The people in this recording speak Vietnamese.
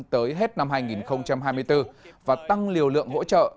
tới hết năm hai nghìn hai mươi bốn và tăng liều lượng hỗ trợ